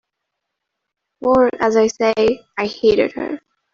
For, as I say, I hated her.